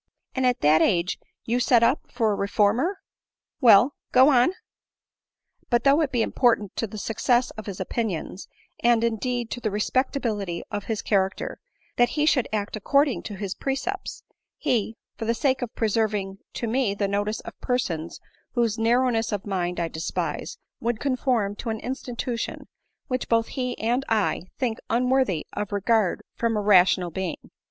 " And at that age you set up for a reformer ? Well, go on. " But though it be important to the success of his opinions, and indeed to the respectability of his charac ter, that he should act according to his precepts, he, for the sake of preserving to me the notice of persons whose narrowness of mind I despise, would conform to an in stitution which both he and I think unworthy of regard from a rational being.